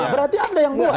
nah berarti anda yang buat